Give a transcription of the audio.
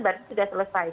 baru sudah selesai